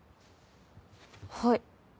はい。